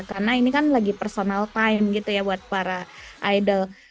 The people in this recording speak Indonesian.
karena ini kan lagi personal time gitu ya buat para idol